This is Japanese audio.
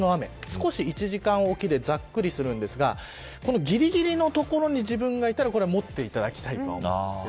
少し１時間おきでざっくりするんですがぎりぎりの所に自分がいたら持っていただきたいです。